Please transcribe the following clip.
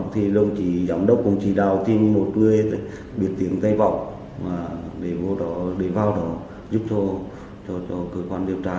thì giám đốc cũng chỉ đào tìm một người biệt tiếng tây vọng để vào đó giúp thô cho cơ quan điều tra